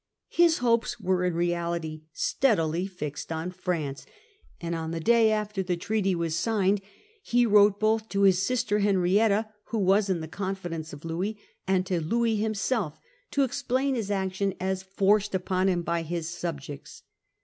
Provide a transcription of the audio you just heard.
His hopes were treaty. j n rea iity steadily fixed on France, and on the day after the treaty was signed he wrote both to his sister Henrietta, who was in the confidence of Louis, and to Louis himself, to explain his action as forced MM. M 1 668. 162 The Triple Alliance . upon him by his subjects.